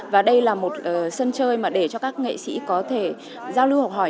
và đây là một sân chơi mà để cho các nghệ sĩ có thể giao lưu học hỏi